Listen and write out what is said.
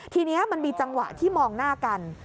ทีนี้มันมีจังหวะที่มองหน้ากัน